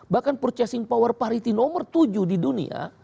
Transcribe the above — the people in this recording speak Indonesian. bahkan purchasing power parity nomor tujuh di dunia